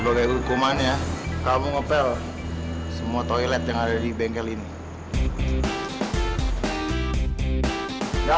bebek pegangan ngenceng